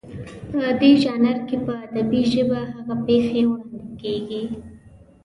په دې ژانر کې په ادبي ژبه هغه پېښې وړاندې کېږي